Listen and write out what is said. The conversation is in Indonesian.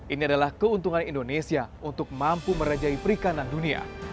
ini adalah keuntungan indonesia untuk mampu merajai perikanan dunia